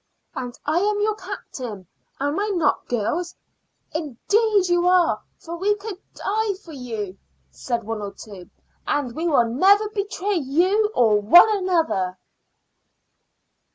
"And I am your captain, am I not girls?" "Indeed you are. We could die for you," said one or two. "And we'll never betray you or one another."